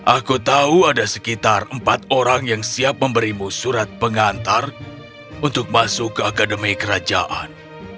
aku tahu ada sekitar empat orang yang siap memberimu surat pengantar untuk masuk ke akademi kerajaan